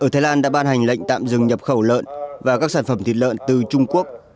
thái lan đã ban hành lệnh tạm dừng nhập khẩu lợn và các sản phẩm thịt lợn từ trung quốc